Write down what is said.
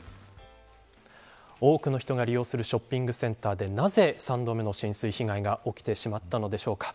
多くの人が利用するショッピングセンターでなぜ３度目の浸水被害が起きてしまったのでしょうか。